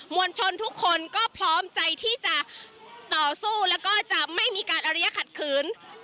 วลชนทุกคนก็พร้อมใจที่จะต่อสู้แล้วก็จะไม่มีการอริยะขัดขืน